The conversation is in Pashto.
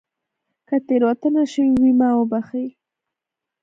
که تېروتنه شوې وي ما وبښئ